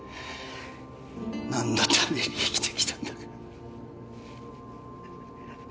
何のために生きてきたんだか